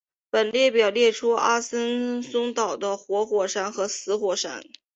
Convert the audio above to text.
本列表列出阿森松岛的活火山与死火山。